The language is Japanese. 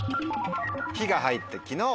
「日」が入って「昨日」。